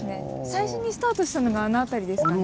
最初にスタートしたのがあの辺りですかね？